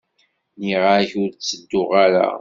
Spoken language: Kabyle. Nniɣ-ak ur ttedduɣ ara.